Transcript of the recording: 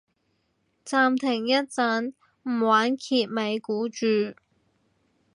暫停一陣唔玩揭尾故住